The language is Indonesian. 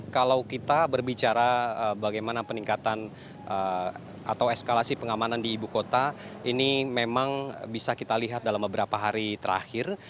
kalau kita berbicara bagaimana peningkatan atau eskalasi pengamanan di ibu kota ini memang bisa kita lihat dalam beberapa hari terakhir